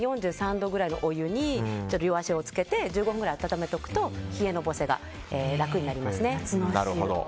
４３度ぐらいのお湯に両足を漬けて１５分くらい温めておくと冷えのぼせが楽になります。